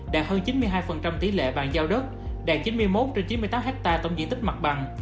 đạt hơn chín mươi hai tỷ lệ bàn giao đất đạt chín mươi một trên chín mươi tám hectare tổng diện tích mặt bằng